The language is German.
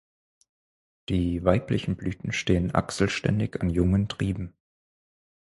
Die weiblichen Blüten stehen achselständig an jungen Trieben.